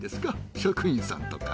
職員さんとか。